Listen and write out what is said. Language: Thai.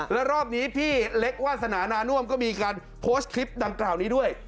แล้วรอบนี้พี่เล็กวาสนานาน่วมก็มีการโพสต์คลิปดังกล่าวนี้ด้วย